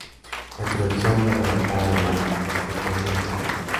La introducción fue redactada de mano de Pedro el Grande.